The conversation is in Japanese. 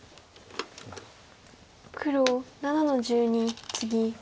黒７の十二ツギ。